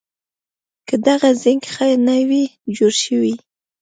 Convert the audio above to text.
که دغه زېنک ښه نه وي جوړ شوي